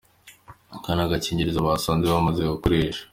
Aka ni agakingirizo basanze bamaze gukoresha.